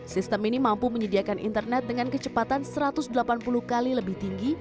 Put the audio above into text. sistem ini mampu menyediakan internet dengan kecepatan satu ratus delapan puluh kali lebih tinggi